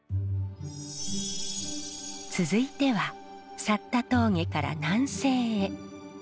続いては峠から南西へ。